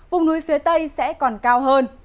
vùng núi phía tây sẽ còn cao hơn